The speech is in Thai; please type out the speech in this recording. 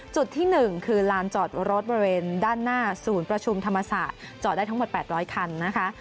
จุดที่๑คือลานจอดรถบริเวณด้านหน้าศูนย์ประชุมธรรมศาสตร์จอดได้ทั้งหมด๘๐๐คันนะคะ